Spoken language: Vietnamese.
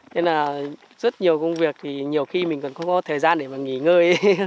nên là rất nhiều công việc thì nhiều khi mình cần có thời gian để mà nghỉ ngơi